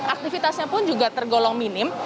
aktivitasnya pun juga tergolong minim